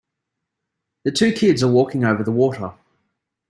The two kids are walking over the water.